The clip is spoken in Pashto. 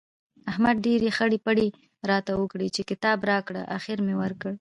احمد ډېرې خړۍ پړۍ راته وکړې چې کتاب راکړه؛ اخېر مې ورکړ.